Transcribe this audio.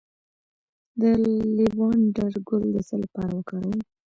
د لیوانډر ګل د څه لپاره وکاروم؟